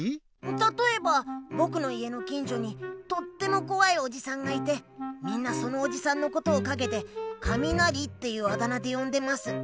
たとえばぼくの家のきんじょにとってもこわいおじさんがいてみんなそのおじさんのことをかげで「カミナリ」っていうあだ名でよんでます。